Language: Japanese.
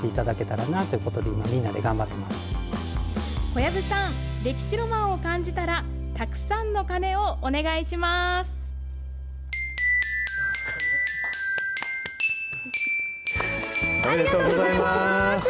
小籔さん、歴史ロマンを感じたら、たくさんの鐘をお願いします。